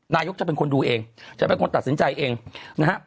นายกจะเป็นคนดูเองจะเป็นคนตัดสินใจเองนะฮะ